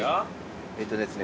えっとですね